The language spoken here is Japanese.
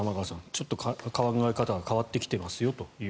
ちょっと考え方が変わってきていますと。